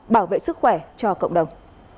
bảo vệ sức khỏe cho cộng đồng